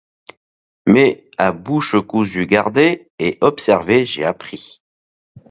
Mais à bouche cousue garder et observer j’ai appris.